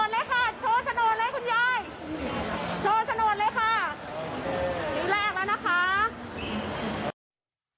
มาเลยชะโนทเลยค่ะ